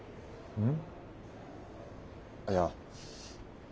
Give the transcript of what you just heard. うん？